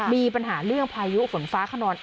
มีปัญหาเรื่องพายุฝนฟ้าขนอง